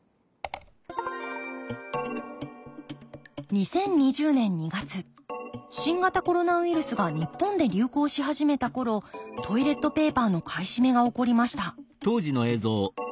２０２０年２月新型コロナウイルスが日本で流行し始めた頃トイレットペーパーの買い占めが起こりました